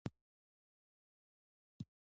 زوم ته په خسرګنۍ کې ځانګړی درناوی کیږي.